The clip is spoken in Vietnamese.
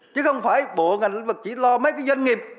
chứ không phải bộ ngành lĩnh vực chỉ lo mấy cái doanh nghiệp